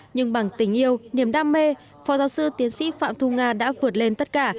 nhưng bằng tình yêu niềm đam mê phó giáo sư tiến sĩ phạm thu nga đã vượt lên tất cả